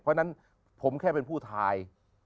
เพราะฉะนั้นผมแค่เป็นผู้ทาย